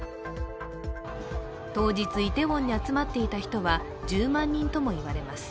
当日イテウォンに集まっていた人は１０万人ともいわれます。